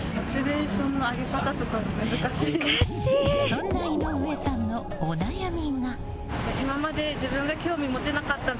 そんな井上さんのお悩みが。